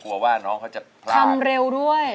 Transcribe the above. ว่าน้องเขาจะพลาดทำเร็วด้วย